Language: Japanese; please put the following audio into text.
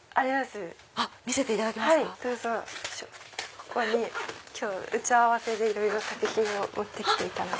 ここに今日打ち合わせで作品を持って来ていたので。